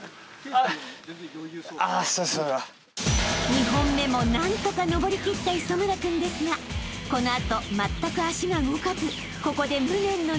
［２本目も何とか上りきった磯村君ですがこの後まったく足が動かず］